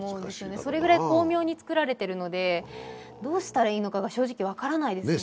それぐらい巧妙に作られているので、どうしたらいいのかが正直分からないですね。